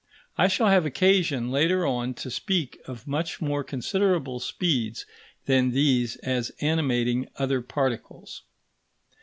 I shall have occasion, later on, to speak of much more considerable speeds than these as animating other particles.